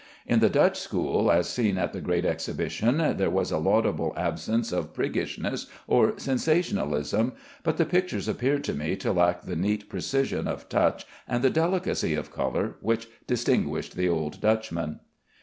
In the Dutch school, as seen at the Great Exhibition, there was a laudable absence of priggishness or sensationalism, but the pictures appeared to me to lack the neat precision of touch and the delicacy of color which distinguished the old Dutchmen.